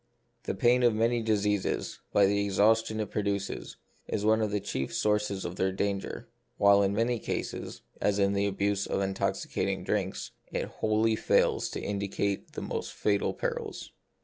The pain of many diseases, by the exhaustion it produces, is one of the chief sources of their danger ; while in many cases, as in the abuse of intoxicating drinks, it wholly fails to indi cate the most fatal perils.